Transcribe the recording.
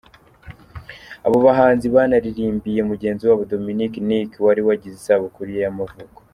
Abo bahanzi banaririmbiye mugenzi wabo Dominic Nic wari wagize isabukuru ye y’amavuko.